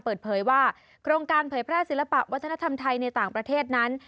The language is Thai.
เปิดเผยว่าโครงการเผยแพร่ศิลปะวัฒนธรรมไทยในต่างประเทศนั้น